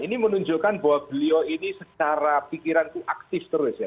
ini menunjukkan bahwa beliau ini secara pikiran itu aktif terus ya